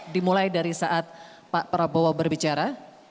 dimulai dari saat pak prabowo berbicara